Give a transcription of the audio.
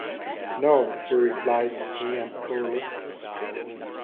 ‘No!’ she replied, peremptorily.